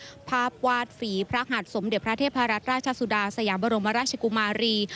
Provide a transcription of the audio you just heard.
การพระรักษณ์ภาพวาดฝีพระหัสสมเด็จพระเทพรัชราชสุดาสยามบรมราชกุมารี